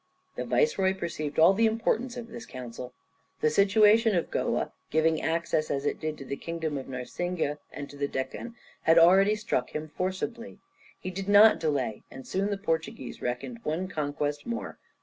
The viceroy perceived all the importance of this counsel. The situation of Goa, giving access as it did to the kingdom of Narsingue and to the Deccan, had already struck him forcibly. He did not delay, and soon the Portuguese reckoned one conquest more.